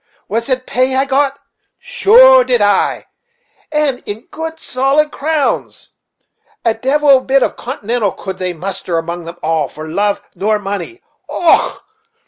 Was it pay I got? Sure did I, and in good solid crowns; the divil a bit of continental could they muster among them all, for love nor money. Och!